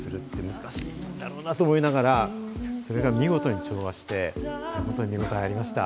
難しいことだろうなと思いながら、それが見事に調和して見応えがありました。